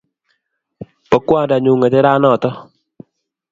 Bo kwandanyu ngecheranoto